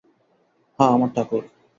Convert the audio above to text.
হাঁ আমার ঠাকুর।